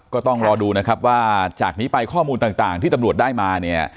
ก็ต้องรอดูนะครับว่าจากนี้ไปข้อมูลต่างที่ตำรวจได้มาเนี่ย